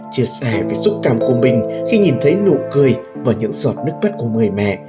chia sẻ về xúc cảm của mình khi nhìn thấy nụ cười và những giọt nước vắt của người mẹ